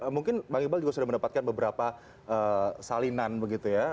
mungkin bang iqbal juga sudah mendapatkan beberapa salinan begitu ya